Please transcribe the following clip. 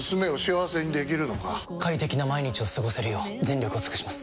快適な毎日を過ごせるよう全力を尽くします！